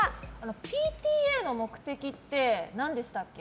ＰＴＡの目的って何でしたっけ？